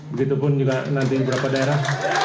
begitupun juga nanti beberapa daerah